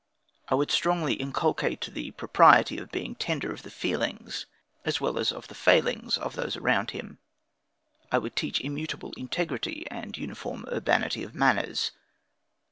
I would strongly inculcate the propriety of being tender of the feelings, as well as the failings, of those around him. I would teach immutable integrity, and uniform urbanity of manners.